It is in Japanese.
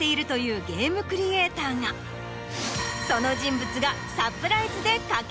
その人物が。